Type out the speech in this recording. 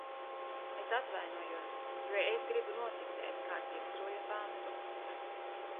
Es atvainojos, jo es gribu nocitēt Kārtības ruļļa pantu.